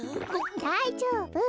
だいじょうぶ。